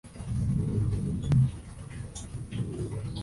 Discurre completamente por el ókrug urbano de Gelendzhik.